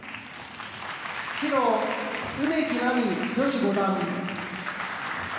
白、梅木真美、女子五段。